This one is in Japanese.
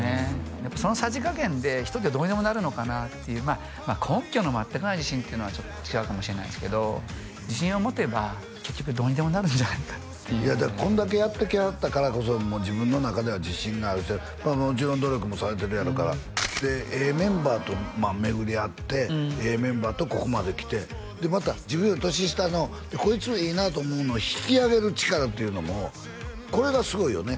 やっぱそのさじ加減で人ってどうにでもなるのかなっていう根拠の全くない自信っていうのはちょっと違うかもしれないですけど自信を持てば結局どうにでもなるんじゃないかっていうだからこんだけやってきはったからこそ自分の中では自信があるしもちろん努力もされてるやろうからでええメンバーと巡り合ってええメンバーとここまで来てでまた自分より年下のこいついいなと思うのを引き上げる力っていうのもこれがすごいよね